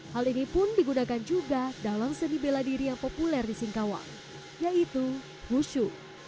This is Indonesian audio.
hal ini pun digunakan juga dalam seni bela diri yang populer di singkawang yaitu wushu